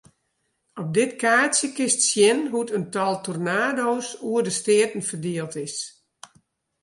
Op dit kaartsje kinst sjen hoe't it tal tornado's oer de steaten ferdield is.